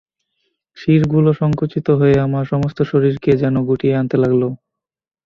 শিরগুলো সংকুচিত হয়ে আমার সমস্ত শরীরকে যেন গুটিয়ে আনতে লাগল।